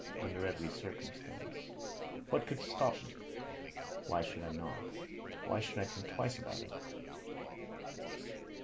Under every circumstance. What could stop me? Why should I not? Why should I think twice about it?"